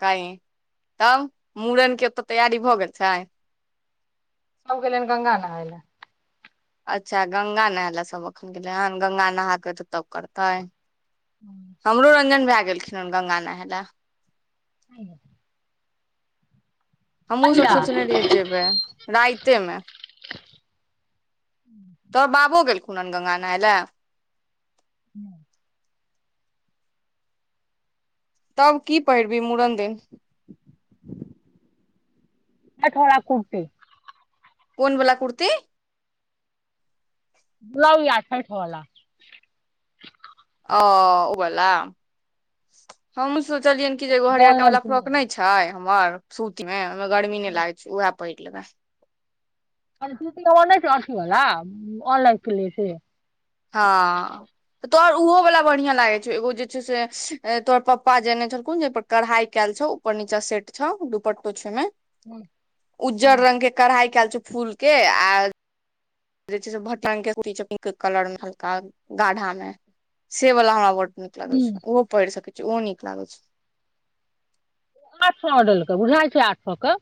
कही तब मूड़नके ओतअ तैयारी भऽ गेल छै सभ गेलनि गंगा नहाय लए अच्छा गंगा नहेय लए सभ एखन गेलै हन गंगा नहा क एतय तब करतै हमरो रंजन भए गेलखिन हन गंगा नहाय ल [unintelligible] हमहूँ सभ कहिया सोचने रहियै जेबै राइतेमे [inaudible] तोहर बाबो गेलखुहन गंगा नहाइले हू तब की पहिरबी मूड़न दिन नइ थोड़ा कुर्ती कोन बला कुर्ती गुलबिना छइठ बला अ उ वला हमहू सोचलियै कि जे एगो हरियरका ऑनलाइन वाला किनने फ्रॉक नइ छै हमर सुती मे ओईमे गरमी नइ लागै छै उएह पहिर लेबै अ ओऑनइ [unintelligible] च अथिी होला अऑनलाइनके लि छै हँ त तोहर उहो वलाा बढ़ियां लागे छौ एगो जे छै से तोहर पपा जे आतने छलखुन जे पर कढ़ाई केल छऊ उपर नीचा सेट छउ दुपट्टो छौ ओहिमे हुँ उज्जर रंग के कढ़ाई केल छउ फूल के आ जे छै से बटंग के कुर्ती छै पिंक कलर मे हल्का गाढ़ा मे से वाला हमरा ब नीक लागै छै ओहो पइढ सकै छी ओहो नीक लागै छै आठ सौ ऑडल के बुझाइ छै आठ सौ क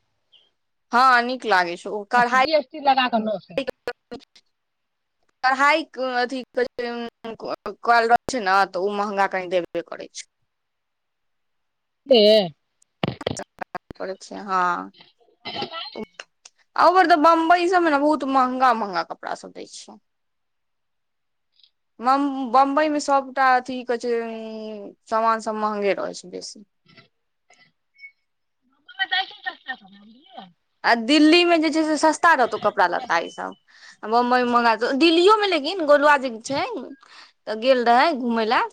हँ नीक लागै छो ओ कढ़ाइ जी एस टी लगा कऽ नौ सौ कढ़ाइ क अथी कयल रहल छै ने तऽ ओ महगा की देबे करै छै [inaudible] से [unintelligible] छै हँ अबेर तऽ बम्बइ सभमे न बहुत महगा महगा कपरा सभ दै छै म्म बम्बई मे सभटा अथी कहै छै म्म सामान सब महंगे रहै छै बेसी [unintelligible] आ दिल्लीमे जे छै से सस्ता रहतौ कपड़ा लत्ता ईसभ बम्बई मे महंग दिल्लियो लेकिन गोलू आ छै छै त गेल तय घुमे लय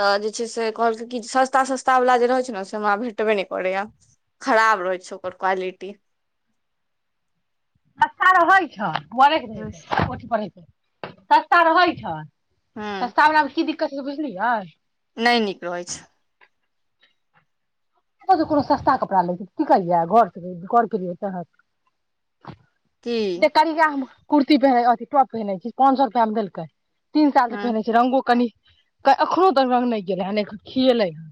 तऽ जे छै से कहलकइ की जे सस्ता सस्ता सस्ता वालला जे रहै छै ने से हमरा भेटबे नहि करैया खराब रहै छै ओकर क्वालिटी सस्ता रहै छ बरे हूँ रहठ पे सस्ता रहै छ सस्तामे की आव कि दिक्कत छै बुझलियै नहि नीकलै छै कोनो सस्ता कपड़ा लै छै तऽ की करियै घरसँ घरकेेलियै तहत की ते करिया हम कुर्ती प अथी टॉप पहिनै छी पाच सए रुपआ मे देलकै तीन साल से हूँ पहिनै छै रंगगो कनि एखनो तक रग नहि गेलै हन खियएलै हन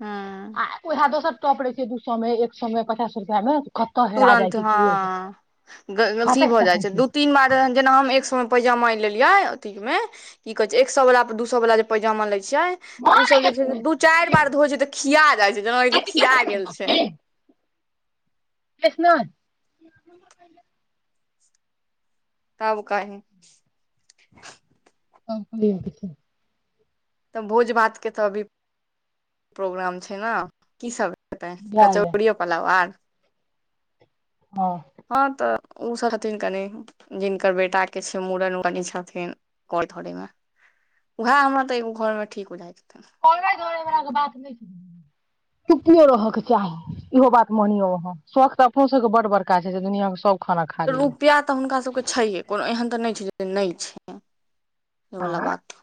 हँ आ उएह दोसर टप रहइ छै दू सए मे एक सए मे पचास रुपआ मे कतऽ हेरा जाइ तुरन्त छै हँ की होइ छै ग गलथी फसैक भऽ जाइत तसैक छै दू तीन बार जेना हम एक सएमे पैजामा एल लेलिय अथी मे की कहे छै एक सए वाल दू सए वाल पैजामा लए छिय ओसभ जे बात छै से नहि दू चारि बार धोइ छै तऽ खिया जाइ छै जेनााक छै खिया गेल छै किस नान तब कही आ छै [unintelligible] तब भोज-भात के त अभी प्रोग्राम छैय न, की सब हेतैय कचौड़ियो पोलाव आर हँ त ओ सब छथिन कनि जिनकर बेटाके छैय मुड़न बाली छथिन करैय-धरैयमे भे। हमरा त एगो घरमे ठीक रहैत करबै-जोरबै बाला के बात नै छैय बहिन गे चुपियो रहैयके चाही इहो बात मानियौ अहाँ, सौख त अपनो सबके बड़-बड़का छैय जे दुनियांमे सब खाना खा लियै रुपैया त हुनका सबके छैय हे कोनो एहन त नहि छैय जे कोनो नै छैय बाला बात।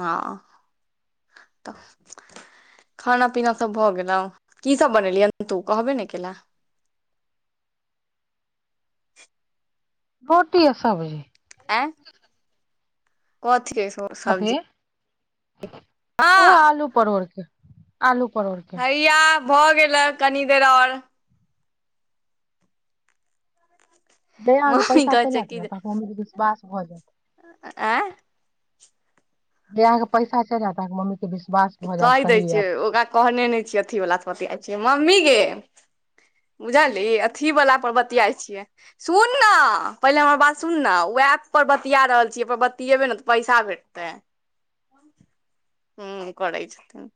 हँ, त खाना पीना सब भ गेलउ, की सब बनेलहिये तु कहबे नै कैलें। रोटी आ सब्जी। आंय कथी के सब्जी? उहे माँ आलु-परोरके, आलु हैया भ गेलैय कनी देर आओर। जहिया अहाँके मम्मी पैसा कहै चलि छै आयत कि नै जे तहिया हमरा विश्वास भ जैत। आँय जहिया अहाँके पैसा चलि आयत अहाँके मम्मी के विश्वास भऽ जायत कहि दैय सही ऐप छियैय, छै ओकरा कहने नै छियैय अथीवला सबके अच्छे मम्मी गे बुझलही अथी वला पर बतियाइ छियैय, सुन ने पहिले हमर बात सुन ने बात सब बतिया रहल छियैय ओहि पर बतियेबैय ने त पैसा भेटतैय। हूँ करैय छथिन,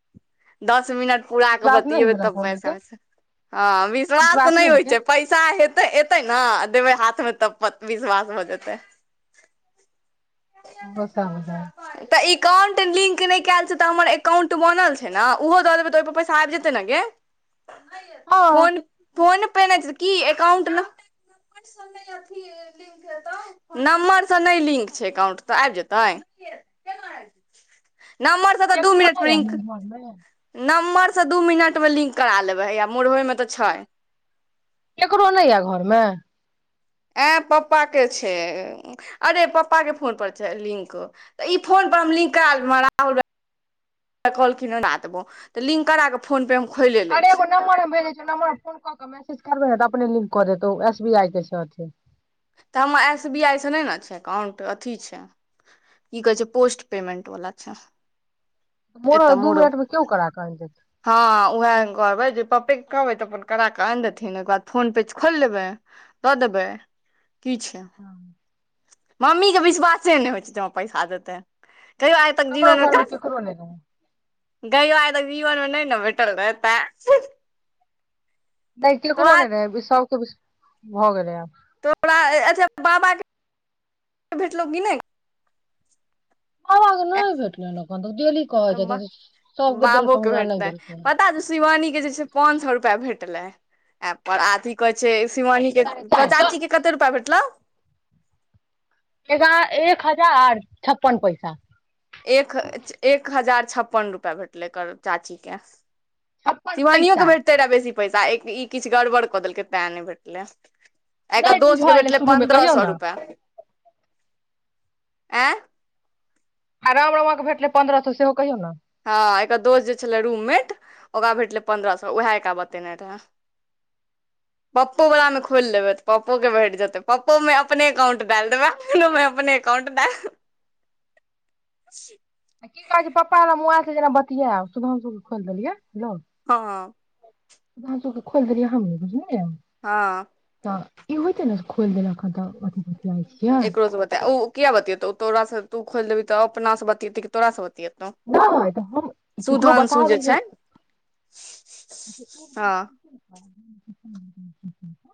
दस मिनट पुरा क विश्वास नहि ने बतियेबैय भेल अहाँके तब मम्मी के ब्यायफरेंड सँ। हँ विश्वास त नहि होइ छैय पैसा हेतै-एतै नै लेबैय हाथमे तब विश्वास भ जेतैए। दोसर बुझाइ एकाउंट लिंक नै कएल छैय त हमर एकाउंट बनल छैय नै ओहो द देबैए तब त पैसा आबि जेतए न गे हँ फोन-पे नै छैय त की एकाउंट नम्बरसँ नै लिंक छैय एकाउंट त आबि जेतैए। नम्बर केकरो नै ये लिंक घरमे नम्बर सँ दू मिनटमे लिंक करा लेबैय हैये मोरबेमे त छैय। केकरो नै ये घरमे? ऐं पप्पा के छैय, अरे पप्पा के फोन पर छैय लिंक, त इ फोन हम लिंक करा लेबय, त लिंक करा क फोन-पे हम खोलि लै अरे छी एगो नम्बर हम भेजैय छियौ नम्बर पर फोन कर त मैसेज करबिही न त अपने लिंक क देतौ एस बि आई के छैय अथी त हमर एस बी आइ सँ नै न छैय एकाउंट अथी छैय की कहैय छैय पोस्ट पेमेंट बाला छैय मोरो एत दू मोड़े मिनट मे केओ पर, करा कऽ आनि देत हँ उहे कहबै जे पप्पेके कहबै त अपन करा क आनि देथिन ओकर बाद फोन-पे खोलि लेबैय, द देबैय की छैय, मम्मीे के विश्वासे नै होइ छैय जे हमरा पैसा देतैय कहियो आइ तक हमरो घर मे केकरो नहि रहै जीबनमे नै ने भेटल रहैय तें नहि केकरो नै रहैय सबके भ गेलैय आब तोरा अच्छा बाबाके भेटलौ की नै? बाबा के नै भेटलनि एखन तक डेली कहैय छथिन जे सबके बाबो देलकौ के हमरा नहि भेटतै देलकौ पता छौ शिवानी के जे छैय पान-सौ रुपैया भेटलै। आ कि कहैय छैय शिवानी के, साढ़े तोरा चारि चाची के सए कत्ते रूपैया भेटलौ? भेटलौ? एगा एक हजार छप्पन पैसा एक एक हजार छप्पन रुपैआ भेटलै एकर चाचीके छप्पन सिवानियो के पैसा भेटतै रहे बेसी पैसा ई किछु गड़बड़ कऽ देलकै तैँ नहि भेटलै एकरा नहि दोस्त बुझऽ के एलै भेटलै शुरूमे पन्द्रह कहियौ सौ ने रुपया एं आ राम रामा के भेटले पन्द्रह सऽ सेहो कहियौ ने हँ एकर दोस्त जे छलै रूममेट ओकरा भेटलै पन्द्रह सौ वेहे एकरा बतेने रहए पप्पो बला में खोलि लेबै तऽ पप्पोक के भेट जेतै पप्पो में अपने अकाउंट डायल देबै अपनो में अपने कंट देय आ की कहै छै पप्पा हमरा मोबाइल से जेना बतियाब सुधांशु के खोलि देलियै बुझलों हं सुधांशु के खोल देने हमहीँ रहिये हँ होइते ने खोलि देलक हन तऽ अथी बतियाइ छियै एकरो स बता उ किया बतेतो तोरा सँ तू खोलि देबहीऽ त अपना सँ बतीयेतै कि तोारा सँ बतियेतोऊ नहि तऽ हम केकरो सुधांशु जे छै हँ अचछा एक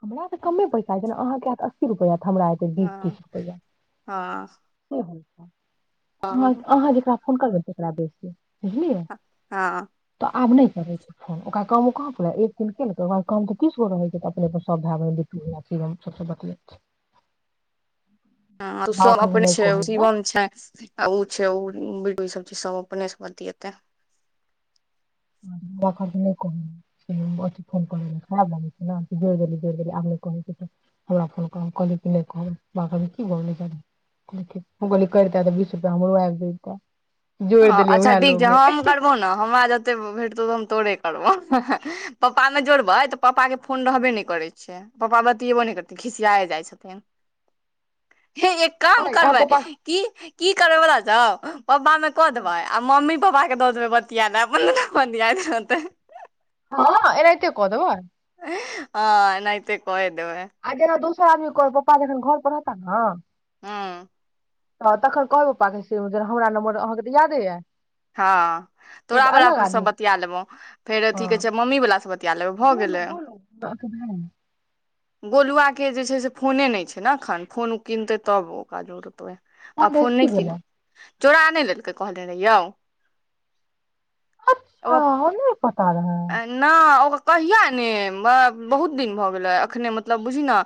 [unintelligible] हमरा तऽ कमे पैसा जमें अहाँके हेत अस्सी रुपैया हमरा एतय बीस हँ तीस रुपैया हँ हँ अहाँ जेकरा फोन करबै तकरा बेसी बुझलियै हँ तऽ आब नहि करै छै फोन ओकरा कहू कहाँ फुराई एक दिन केलकई वा उ काम त तीस गो रहै छै त अपने स सब भाय बहिन द सबसँ बतियाईत छै हं तू बाबा सब कहलखिन अपने नहि छें कहै लए शिवम छें आ उ छे उ बिलकुल सब छै सब अपने सं बतियेतै माँ कहलखिन नै कहिन से अथी फोन करय ले खराब लगैछै ने जोइर देलही त जोइर देलहि आब नै कहै छथिन हमरा फोन करब कहली कि नहि कहबैन माँ कहलखिन की ब गेलय जाय दियो कहली ठीक करिते तऽ बीस रुपया हमरो आबि जैता हँ अच्छा ठीक छै हम करबौ ने हमरा जते भेट तोे हम तोरे करबो पप्पा में जोड़बै तऽ पप्पा के फोन रहबे नहि करै छै पप्पा बड दियबो नई करथीन खिसियाए जाइ छथिन हे एक काम अइ अहाँ करबै के पास की की करबै पता छौ पप्पा में क देबय आ मम्मी पपा के दऽ देबै बतिया ले अपन दुनू बतियाईत रहतेई हँ एनाहिते कऽ देबै हं एनहिते आ जेना दोसर आदमी कॉल पप्पा जखन घर पर रहता ने हँ तऽ तखन कहबै पप्पा के जे हमरा नम्बर अहाँके तऽ यादे अइ हँ तोरा बला से आदमी बतिया लेबहु फेर हँ अथी कहे छै मम्मी वला सँ बतिया लेबय भऽ गेल लै आ [inaudible] गोलुआ के जे छै से फोने नहि छै ने एखन फोन ओ किनतै तब ओकरा जोड़बै ओ कोन रहै से फोन की नहि कीन भेलै चोरा नै लेलकै कहले रहियौ अच्छा ओ न ओ कहिया ने बा बहुत दिन भऽ गेले अखने मतलब बुझी ने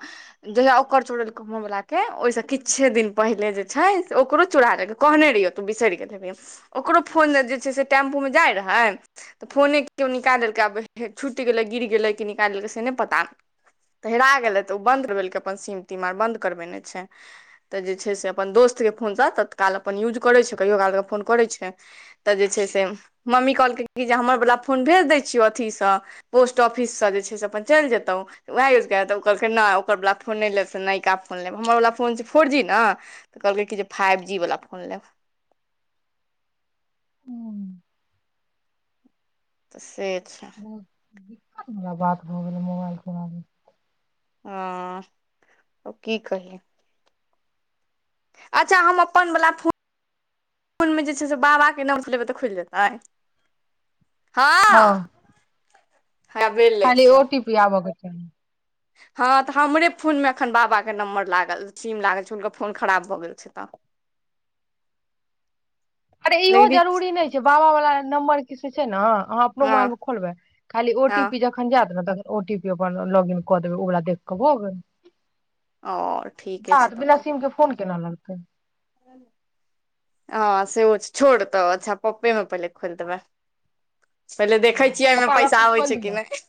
जहिया ओकर चोरलकौ हं बोला के ओहिसँ किछे दिन पहिले जे छै ओकरो चोरा लेलकई कहने रहियौ तू बिसरि गेलहेबी ओकरो फोन जे छै से टेम्पूमें जाइत रहै तऽ फोने केओ निकाइल लेलकै आब छुटि गेलै गिर गेलै कि निकाल लेलकै से नहि पता त हेरा गेलैइ तऽ ओ बन्द करबेलकइ अपन सिम तीम बंन्द करबेने छैइ तऽ जे छैइ से अपन दोस्त जखन से तत्काल अपन यूज करैई छैइ कहियो काल क फोन करै छैइ जे छैइ से मम्मी कि जे हमर बला न भेज द छियौ अथि स पोस्ट ऑफिस स जे छैइ अपन चल जेतौउ वएह यूज कैल तो उ कहलकइ जे नैइ ओकरवला फोन नई लेब से नयका फोन लेब हमर फोन छैइ फोर जी न तो कहलकै कि जे फाईवजीवला फोन फोन लेब हम्म, त से छै बहुत दिक्कत भ जायत भऽ गेलै मोबाइल के बारे हँअ् अब की कहीअइन अच्छा हम अपनवला फोन मनमे जे छैइ से बाबाके नामसँ लेबै तऽ खुलि जेतै हां हँ खाली ओटी पी आबके चाही हँअ् तऽ हमरे फोनमे एखन बाबाके नम्बर लागल सीम लागल छैइ हुनकर फोन खराब भऽ गेल छैइ तऽ [inaudible] अरे इहो लेकिन रिच जरूरी नई छैइ बाबा वला नम्बर कि से छैइ ना अहाँ अपनो मोबाइल हँ में खोलबै खाली ओ हँ टी पी जखन जायत ने तख ओ टी पी अपन लाॅग इन कऽ देबै ओकरा देखक भ गेलैइ आओर ठीके जा त बिना सीम के फोन केना लगतै ह हँअ् सेहो छ छोड़तै अच्छा पप्पेमे पहिले खोल देबै पहिले देखै छिअई आहांमे पप्पा मे पैसा एखन आबै खोलि छैइ कि दियौ नई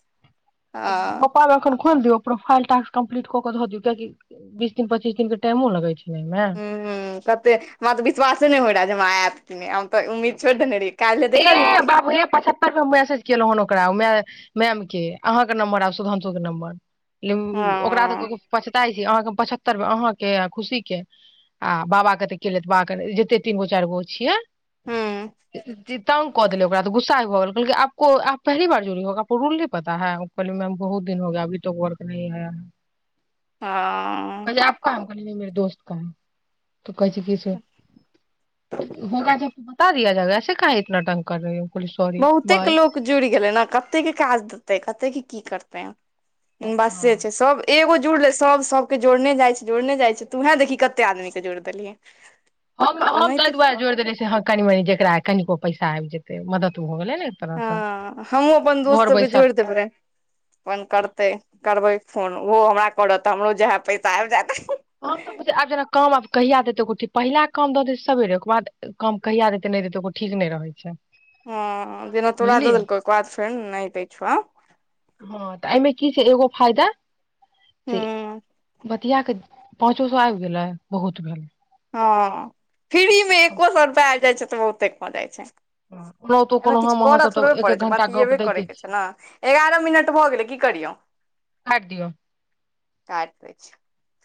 पप्पा में एखन खोल दियौ प्रोफाईल टाक्स कम्प्लीट क क ध दियौ काहे कि बीस दिन पच्चीस दिन के टाइमो लगै छैइ हूंअ् हूंअ् तते हमरा तऽ विश्वासे नहि होय रहा जे हमरा आयत कि नई हम तऽ उम्मीद छोड़ि देने रहिए ए बाबू हे पचहत्तर बेर मैसेज केलहुं हन ओकरा ओमे मैम के आहां के नम्बर आ सुधांशु के नम्बर ल्म् ओकरा हँ तऽ पछताई छी अहाँके हम पचहत्तर बेर अहाँके आ खुशी के आ बाबा केतऽ केलथि बाबा के जते तीन गो चारि गो हूँ छियैइ तंग कऽ देलै ओकराऽ त गुस्सा भऽ गेलै आपको आप पहली बार जूड़ी हो आपको रूल नही पता है बहुत दिन होगा अभी तक वर्क नहीं है हँअ् कह दोस्त कहै त कहै छै किस [unintelligible] कर दिया जाएगा ऐसे काहे इतना तंग कर रही हो कहलियै सॉरी बहुते बाय लोक जुड़ि गेलै न कतेकके काज देतै कतेके की करतै बासे हँ छैइ सब एगो जुड़लई सब सबके जोड़ने जाइ छैइ जोड़ने जाइ छैइ तूहें देखही कते आदमी के जोड़ देलहि हम हम तहि दुआरे जोड़ि देेलिअइ ह कनि मनी जेकरा कनिको पैसा आबि जेतै मदद भ गेलैइ हँअ् हमहुँ अपन दोस्त सबके बैसल जोड़ि देबै र अपन करतै करबै फोन ओहो हमरा करत हमरो जहां पैसा आबि जायत हम तऽ बूझ आब जेना काम आब कहिया देतै ओइके ठीक नई पहिला काम दऽ देै छैइ सबेरे ओकर बाद काम कहिया देतै नई देतै ओ ठीक नई रहैइ छैइ हँ जेना तोरा ददेलकउ आई के बाद फेर नई दैइ छौ हँअ् तऽ अइमे की छैइ एगो फायदा से हँ बतिआ कऽ पाँचो सए आबि गेलैइ बहुत भेलैइ हँअ् फ्री में एको सौ रूपैया आबि जाइ छैइ तऽ बहुते भ जाइ छैइ ओनाहितो अइमे कोनो किछु हम अहाँ करऽ सब तऽ थोड़बे एक पड़ैइ एक छैइ घंटा गप बतियेबे दैते करयके छी छैइ ना एगारह मिनट भऽ गेलै की करियौ काट दिऔ तारत ब [unintelligible]